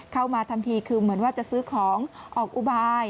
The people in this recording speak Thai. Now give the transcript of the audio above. เข้ามาทำทีคือเหมือนว่าจะซื้อของออกอุบาย